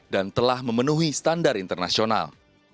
dan telah memenuhi standar internasional